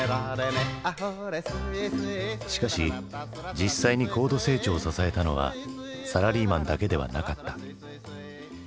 しかし実際に高度成長を支えたのはサラリーマンだけではなかった。